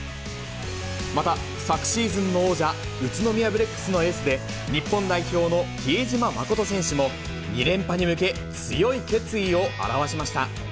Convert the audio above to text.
また、昨シーズンの王者、宇都宮ブレックスのエースで、日本代表の比江島慎選手も、２連覇に向け、強い決意を表しま